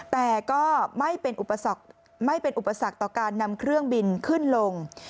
แต่ก็ไม่เป็นอุปสรรคต่อการนำเครื่องบินขึ้นลง